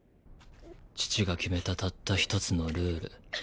父が決めたたった一つのルール。